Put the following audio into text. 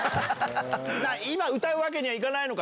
今、歌うわけにはいかないのか？